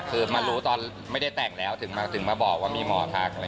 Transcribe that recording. คือมารู้ตอนไม่ได้แต่งแล้วถึงมาบอกว่ามีหมอทัก